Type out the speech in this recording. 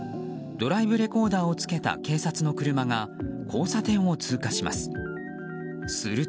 ドライブレコーダーをつけた警察の車が交差点を通過します。